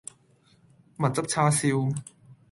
蜜汁叉燒